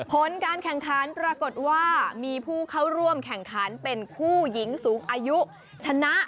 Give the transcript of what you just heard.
ผลการแข่งขันปรากฏว่ามีผู้เข้าร่วมแข่งขันเป็นผู้หญิงสูงอายุชนะ